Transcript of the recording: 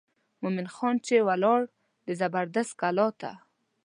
مومن خان چې ولاړ د زبردست کلا ته.